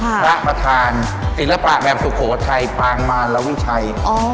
พระประธานศิลปะแบบสุโขทัยปางมารวิชัย